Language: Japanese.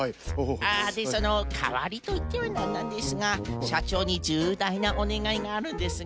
あでそのかわりといってはなんなんですがしゃちょうにじゅうだいなおねがいがあるんですが。